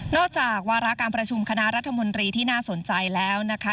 จากวาระการประชุมคณะรัฐมนตรีที่น่าสนใจแล้วนะคะ